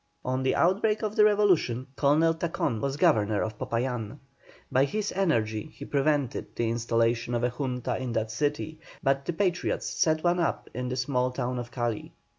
On the outbreak of the revolution Colonel Tacon was Governor of Popayán. By his energy he prevented the installation of a Junta in that city, but the Patriots set one up in the small town of Cali.